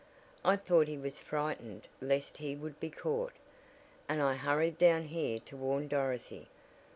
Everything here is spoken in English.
I thought he was frightened lest he would be caught, and I hurried down here to warn Dorothy.